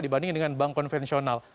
dibandingkan dengan bank konvensional